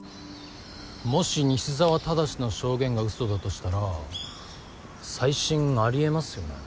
もし西澤正の証言がうそだとしたら再審ありえますよね。